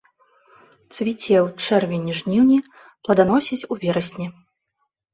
Цвіце ў чэрвені-жніўні, пладаносіць у верасні.